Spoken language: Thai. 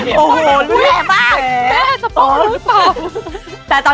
ก็ออกไปบนแกะ